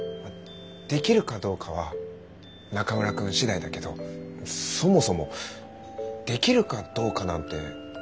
できるかどうかは中村くん次第だけどそもそもできるかどうかなんて関係ないんじゃないかな。